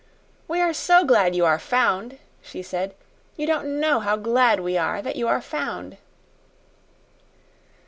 "We're so glad you are found," she said. "You don't know how glad we are that you are found."